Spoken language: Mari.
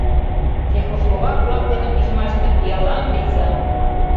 Чехословак-влак дене пижмаште пиалан лийза!